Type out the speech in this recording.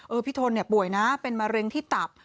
พี่ทนเนี่ยป่วยนะเป็นมะเร็งที่ตับ